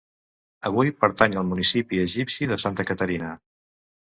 Avui pertany al municipi egipci de Santa Caterina.